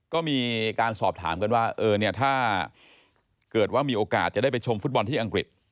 ก็มีการสอบถามกันว่าเออเนี่ยถ้าเกิดว่ามีโอกาสจะได้ไปชมฟุตบอลที่อังกฤษ